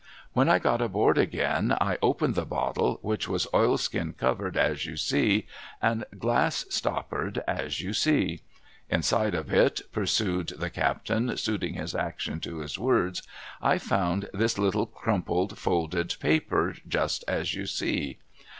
When I got aboard again I opened the bottle, which was oilskin covered as you see, and glrs stoppered as you see. Inside of it,' pursued the captain, suiting his action to his words, ' I found this little crumpled, 234 A MESSAGE FROM THE SEA folded paper, just as you see.